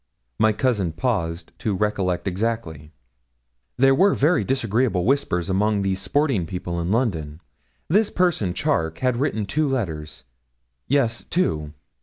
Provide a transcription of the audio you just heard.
My cousin paused to recollect exactly. 'There were very disagreeable whispers among the sporting people in London. This person, Charke, had written two letters. Yes two.